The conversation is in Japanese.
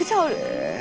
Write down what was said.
へえ。